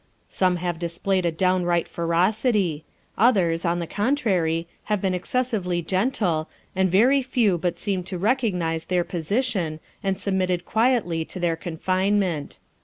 Some have displayed a downright ferocity; others, on the contrary, have been excessively gentle, and very few but seemed to recognise their position, and submitted quietly to their confinement.